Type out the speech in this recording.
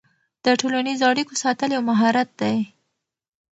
د ټولنیزو اړیکو ساتل یو مهارت دی.